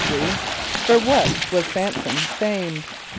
= For what was S[)a]m´son famed?